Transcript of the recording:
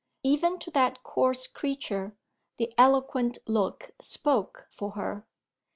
Even to that coarse creature, the eloquent look spoke for her.